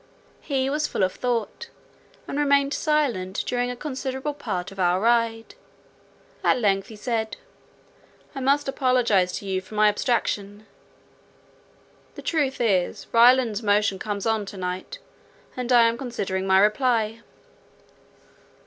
He was full of thought, and remained silent during a considerable part of our ride; at length he said, "I must apologize to you for my abstraction; the truth is, Ryland's motion comes on to night, and I am considering my reply."